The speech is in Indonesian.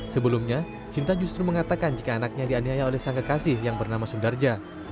sebelumnya sinta justru mengatakan jika anaknya dianiaya oleh sang kekasih yang bernama sundarja